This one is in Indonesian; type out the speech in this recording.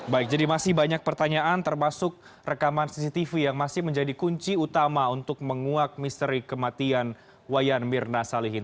baik jadi masih banyak pertanyaan termasuk rekaman cctv yang masih menjadi kunci utama untuk menguak misteri kematian wayan mirna salihin